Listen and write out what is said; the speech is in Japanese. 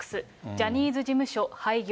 ジャニーズ事務所廃業。